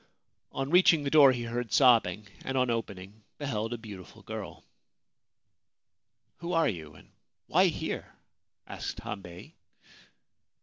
On reaching the door he heard sobbing, and, on opening, beheld a beautiful girl. ' Who are you, and why here ?' asked Hambei.